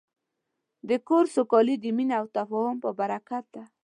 د کور سوکالي د مینې او تفاهم په برکت ده.